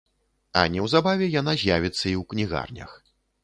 А неўзабаве яна з'явіцца і ў кнігарнях.